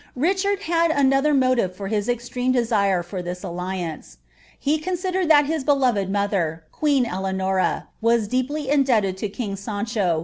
Richtnt had another motive for his extreme deaire for thia alliance ; ht cosn dered lliat hia beloved m'>ilier, queen Eleanora. was deeply indebted to kin^ Sancho.